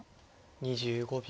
２５秒。